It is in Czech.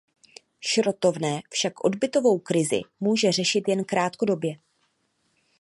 Šrotovné však odbytovou krizi může řešit jen krátkodobě.